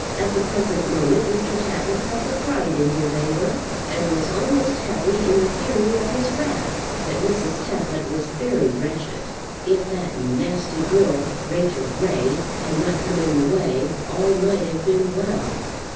At the present moment Mr. Tappitt felt a pride in his anger, and was almost happy in the fury of his wrath; but Mrs. Tappitt was very wretched. If that nasty girl, Rachel Ray, had not come in the way all might have been well.